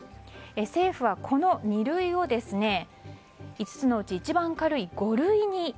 政府は、この二類を５つのうち一番軽い五類に。